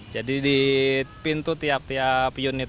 jadi di pintu tiap tiap unit ya